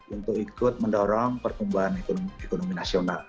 untuk ikut mendorong pertumbuhan ekonomi nasional